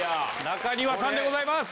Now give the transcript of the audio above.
中庭さんでございます。